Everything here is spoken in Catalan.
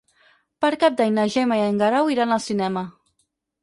Per Cap d'Any na Gemma i en Guerau iran al cinema.